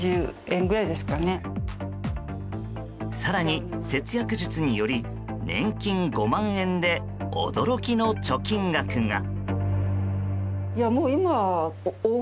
更に節約術により年金５万円で驚きの貯金額が。